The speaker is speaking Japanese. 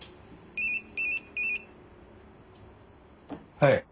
はい。